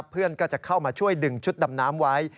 เพื่อนก็จะเข้ามาช่วยดึงชุดดำน้ำไว้